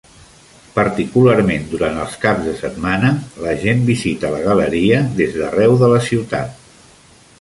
Particularment durant els caps de setmana, la gent visita la Galleria des d'arreu de la ciutat.